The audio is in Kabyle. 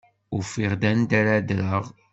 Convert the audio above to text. Ufiɣ-d anda ara ddreɣ.